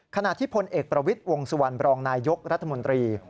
ขณะที่พลเอกประวิทย์วงสุวรรณบรองนายยกรัฐมนตรี